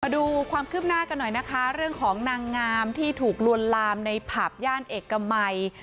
ดูความคืบหน้ากันหน่อยนะคะเรื่องของนางงามที่ถูกลวนลามในผับย่านเอกมัย